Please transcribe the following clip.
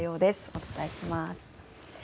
お伝えします。